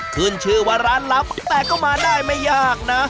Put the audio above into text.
ขึ้นชื่อว่าร้านลับแต่ก็มาได้ไม่ยากนะ